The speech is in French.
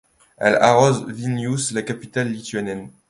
Elle arrose Vilnius, la capitale lituanienne.